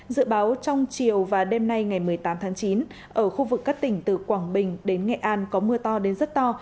dự báo trong chiều và đêm nay ngày một mươi tám tháng chín ở khu vực các tỉnh từ quảng bình đến nghệ an có mưa to đến rất to